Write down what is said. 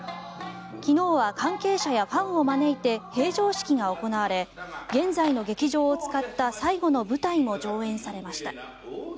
昨日は関係者やファンを招いて閉場式が行われ現在の劇場を使った最後の舞台も上演されました。